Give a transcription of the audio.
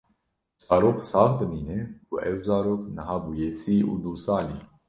Zarok sax dimîne û ew zarok niha bûye sî û du salî